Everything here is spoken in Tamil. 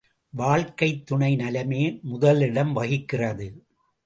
வாழ்க்கைத் துணை நலமே முதலிடம் வகிக்கிறது.